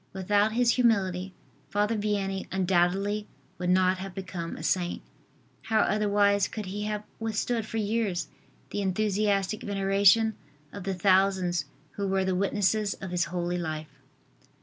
Without his humility, Father Vianney undoubtedly would not have become a saint. How otherwise could he have withstood for years the enthusiastic veneration of the thousands who were the witnesses of his holy life.